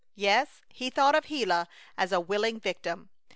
Yes, he thought of Gila as a willing victim!